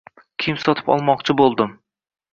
Kiyim sotib olmoqchi boʻldim.